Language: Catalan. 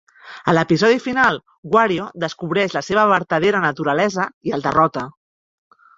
A l'episodi final, Wario descobreix la seva vertadera naturalesa i el derrota.